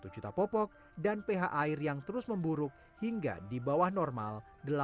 satu juta popok dan ph air yang terus memburuk hingga di bawah normal